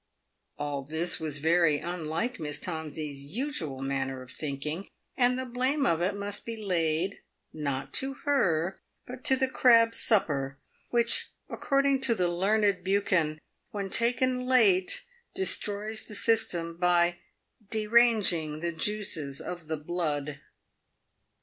All this was very unlike Miss Tomsey's usual manner of thinking, and the blame of it must be laid, not to her, but to the crab supper, which, according to the learned Buchan, when taken late, destroys the system by deranging the juices of the blood.